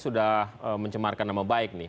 sudah mencemarkan nama baik nih